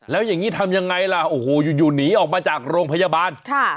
แล้วอย่างนี้ทำยังไงล่ะโอ้โหอยู่หนีออกมาจากโรงพยาบาลค่ะ